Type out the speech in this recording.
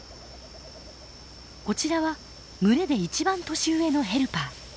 こちらは群れで一番年上のヘルパー。